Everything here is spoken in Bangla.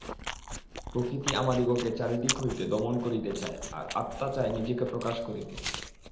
প্রকৃতি আমাদিগকে চারিদিক হইতে দমন করিতে চায়, আর আত্মা চায় নিজেকে প্রকাশ করিতে।